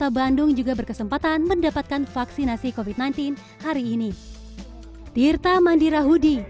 kota bandung juga berkesempatan mendapatkan vaksinasi covid sembilan belas hari ini tirta mandirahudi